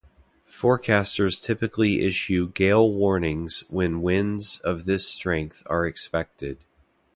Forecasters typically issue gale warnings when winds of this strength are expected.